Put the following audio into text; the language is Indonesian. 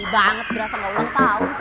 banget berasa gak ulang tahun